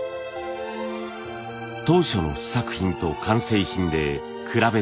当初の試作品と完成品で比べてみます。